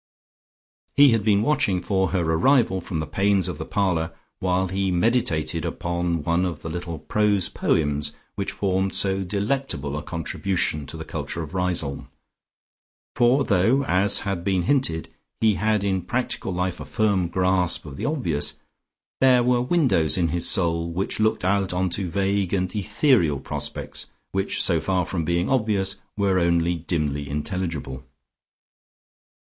He had been watching for her arrival from the panes of the parlour while he meditated upon one of the little prose poems which formed so delectable a contribution to the culture of Riseholme, for though, as had been hinted, he had in practical life a firm grasp of the obvious, there were windows in his soul which looked out onto vague and ethereal prospects which so far from being obvious were only dimly intelligible.